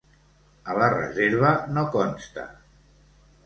A la reserva no consta.